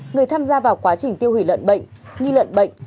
người tham gia vào quá trình tiêu hủy lợn bệnh nhi lợn bệnh